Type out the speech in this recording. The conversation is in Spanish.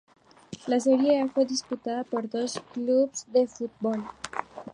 La Serie A fue disputada por doce clubes de fútbol.